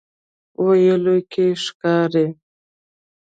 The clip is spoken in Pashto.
ویلو کې ښکاري.